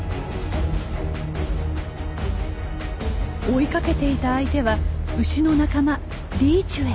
追いかけていた相手は牛の仲間リーチュエ。